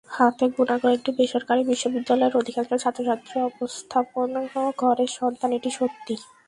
হাতে গোনা কয়েকটি বেসরকারি বিশ্ববিদ্যালয়ের অধিকাংশ ছাত্রছাত্রী অবস্থাপন্ন ঘরের সন্তান এটি সত্যি।